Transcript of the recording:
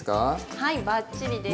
はいバッチリです。